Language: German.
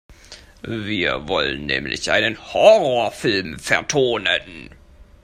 Wir wollen nämlich einen Horrorfilm vertonen.